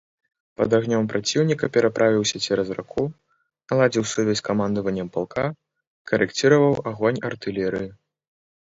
Пад агнём праціўніка пераправіўся цераз раку, наладзіў сувязь з камандаваннем палка, карэкціраваў агонь артылерыі.